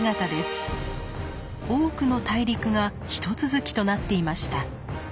多くの大陸がひと続きとなっていました。